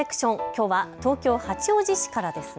きょうは東京八王子市からです。